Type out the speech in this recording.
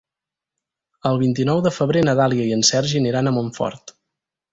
El vint-i-nou de febrer na Dàlia i en Sergi aniran a Montfort.